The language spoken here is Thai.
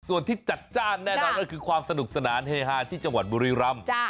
ส่วนที่จัดจ้านแน่นอนก็คือความสนุกสนานเฮฮาที่จังหวัดบุรีรำ